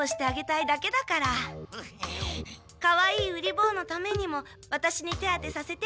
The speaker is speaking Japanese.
かわいいウリ坊のためにもワタシに手当てさせて。